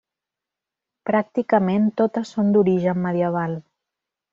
Pràcticament totes són d'origen medieval.